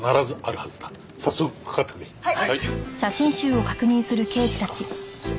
はい。